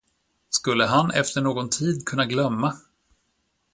Skulle han efter någon tid kunna glömma.